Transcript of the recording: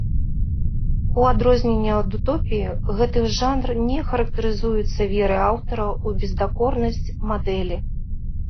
У адрозненне ад утопіі, гэты жанр не характарызуецца верай аўтара ў бездакорнасць мадэлі.